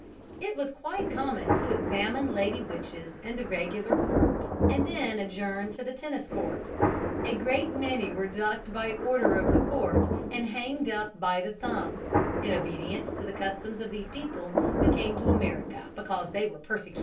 It was quite common to examine lady witches in the regular court and then adjourn to the tennis court. A great many were ducked by order of the court and hanged up by the thumbs, in obedience to the customs of these people who came to America because they were persecuted.